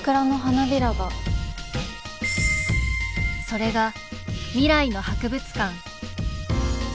それが「未来の博物館」